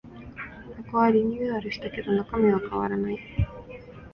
箱はリニューアルしたけど中身は変わらない